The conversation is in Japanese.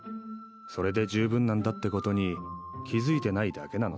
それで十分なんだってことに気付いてないだけなのさ。